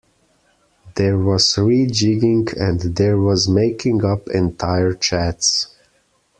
There was re-jigging and there was making up entire chats.